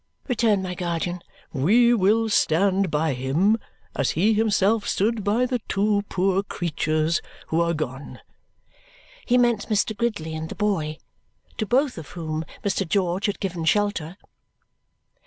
returned my guardian. "We will stand by him, as he himself stood by the two poor creatures who are gone." He meant Mr. Gridley and the boy, to both of whom Mr. George had given shelter.